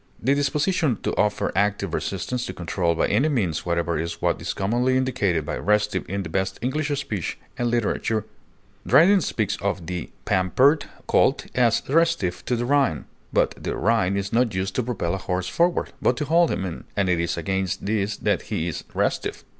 The disposition to offer active resistance to control by any means whatever is what is commonly indicated by restive in the best English speech and literature. Dryden speaks of "the pampered colt" as "restiff to the rein;" but the rein is not used to propel a horse forward, but to hold him in, and it is against this that he is "restiff."